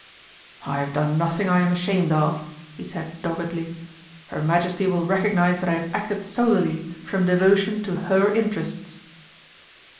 "I have done nothing I am ashamed of," he said doggedly; "her Majesty will recognise that I have acted solely from devotion to her interests."